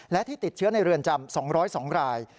และที่ติดเชื้อในเรือนจำ๒๐๒ราย